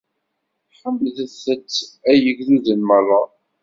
Ḥemdet- t, ay igduden merra!